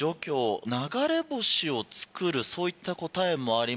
流れ星をつくるそういった答えもあります。